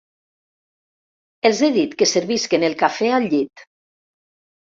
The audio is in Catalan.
Els he dit que servisquen el café al llit.